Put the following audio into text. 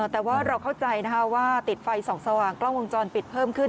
แต่ว่าเราเข้าใจว่าติดไฟส่องสว่างกล้องวงจรปิดเพิ่มขึ้น